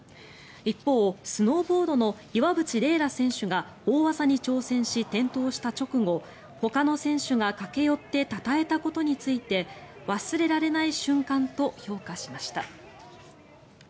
一方、スノーボードの岩渕麗楽選手が大技に挑戦し転倒した直後ほかの選手が駆け寄ってたたえたことについて忘れられない瞬間と評価しました。